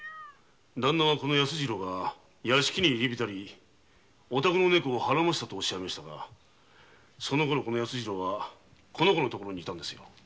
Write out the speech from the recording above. ダンナはこのヤスジロウが屋敷に入り浸りお宅の猫をハラませたとおっしゃいましたがそのころこのヤスジロウはこの子の所に居たんですよ。